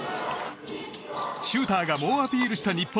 シューターが猛アピールした日本。